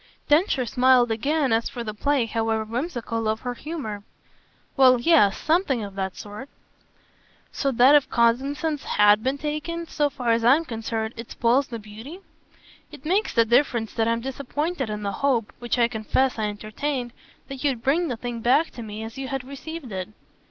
Densher smiled again as for the play, however whimsical, of her humour. "Well yes something of that sort." "So that if cognisance HAS been taken so far as I'm concerned it spoils the beauty?" "It makes the difference that I'm disappointed in the hope which I confess I entertained that you'd bring the thing back to me as you had received it."